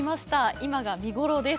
今が見頃です。